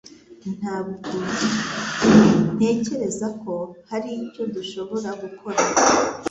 Ntabwo ntekereza ko hari icyo dushobora gukora